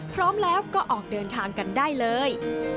พร้อมแล้วก็ออกเดินทางกันได้เลย